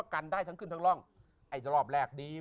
กันได้ทั้งขึ้นทั้งร่องไอ้รอบแรกดี